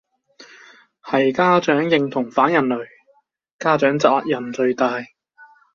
係家長認同反人類，家長責任最大